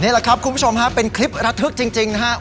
แหละครับคุณผู้ชมฮะเป็นคลิประทึกจริงนะครับ